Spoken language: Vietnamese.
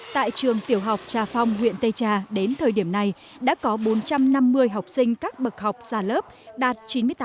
tại trường tiểu học trà phong huyện tây trà đến thời điểm này đã có bốn trăm năm mươi học sinh các bậc học xa lớp đạt chín mươi tám